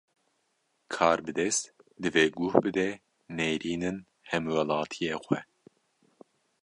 Karbidest, divê guh bide nêrînin hemwelatiyê xwe